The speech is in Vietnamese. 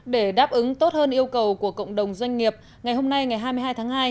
để đáp ứng tốt hơn yêu cầu của cộng đồng doanh nghiệp ngày hôm nay ngày hai mươi hai tháng hai